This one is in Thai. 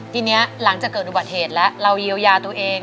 ทีนี้หลังจากเกิดอุบัติเหตุแล้วเราเยียวยาตัวเอง